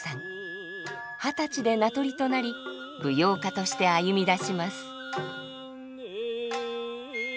二十歳で名取となり舞踊家として歩みだします。